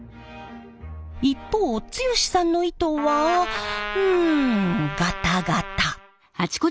一方剛さんの糸はうんガタガタ。